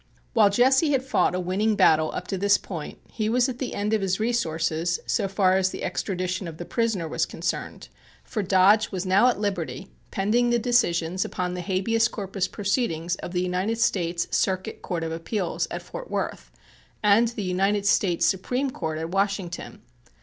While Jesse had fought a winning battle up to this point he was at the end of his resources so far as the extradition of the prisoner was concerned, for Dodge was now at liberty, pending the decisions upon the habeas corpus proceedings of the United States Circuit Court of Appeals at Fort Worth, and the United States Supreme Court at Washington.